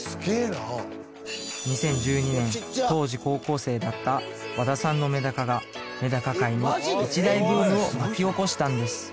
２０１２年当時高校生だった和田さんのめだかがめだか界に一大ブームを巻き起こしたんです